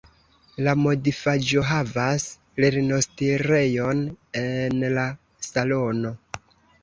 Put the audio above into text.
La modifaĵohavas lernostirejon en la salono.